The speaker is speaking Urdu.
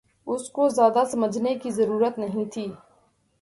اس کو زیادہ سمجھنے کی ضرورت نہیں تھی